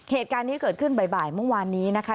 เหตุการณ์นี้เกิดขึ้นบ่ายเมื่อวานนี้นะคะ